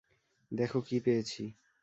দেখো কি পেয়েছি!